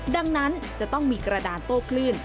ดังนั้นจะต้องมีกระดานโต้คลื่น